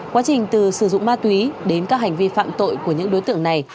quá trình từ sử dụng ma túy đến các hành vi phạm tội của những đối tượng này